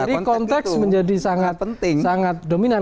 jadi konteks menjadi sangat dominan